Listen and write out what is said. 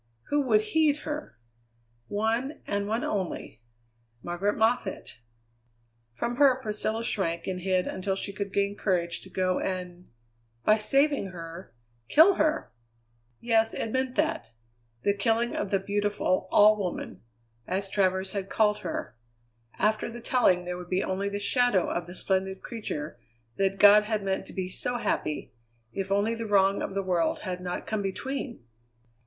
Who would heed her? One, and one only. Margaret Moffatt! From her Priscilla shrank and hid until she could gain courage to go and by saving her, kill her! Yes, it meant that. The killing of the beautiful All Woman, as Travers had called her. After the telling there would be only the shadow of the splendid creature that God had meant to be so happy, if only the wrong of the world had not come between!